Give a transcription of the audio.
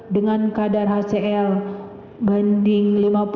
dengan kadar hcl banding lima puluh